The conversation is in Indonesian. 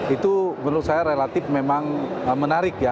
itu menurut saya relatif memang menarik ya